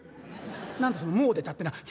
「何だそのもう出たってのは」。